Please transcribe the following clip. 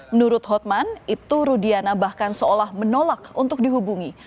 menurut hotman ibtu rudiana bahkan seolah menolak untuk dihubungi